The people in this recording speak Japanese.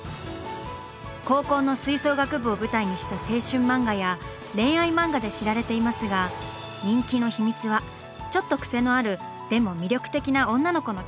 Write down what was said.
高校の吹奏楽部を舞台にした青春漫画や恋愛漫画で知られていますが人気の秘密はちょっとクセのあるでも魅力的な女の子のキャラクターです。